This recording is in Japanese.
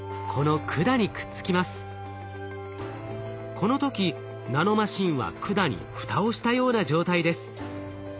この時ナノマシンは管に蓋をしたような状態です。